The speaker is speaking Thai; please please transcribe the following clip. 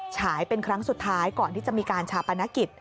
ฉายเป็นครั้งสุดท้ายก่อนที่จะมีการชาปนกิจ